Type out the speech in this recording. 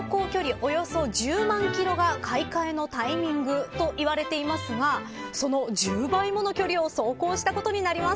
およそ１０万キロが買い替えのタイミングと言われていますがその１０倍もの距離を走行したことになります。